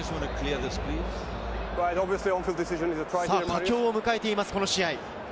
佳境を迎えています、この試合。